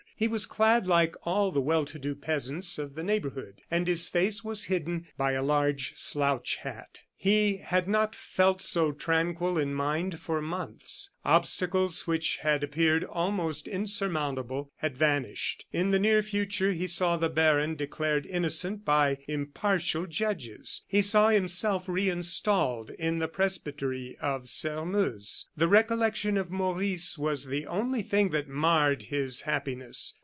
He was clad like all the well to do peasants of the neighborhood, and his face was hidden by a large slouch hat. He had not felt so tranquil in mind for months. Obstacles which had appeared almost insurmountable had vanished. In the near future he saw the baron declared innocent by impartial judges; he saw himself reinstalled in the presbytery of Sairmeuse. The recollection of Maurice was the only thing that marred his happiness.